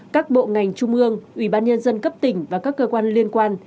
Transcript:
các bộ ngành trung ương ủy ban nhân dân cấp tỉnh và các cơ quan liên quan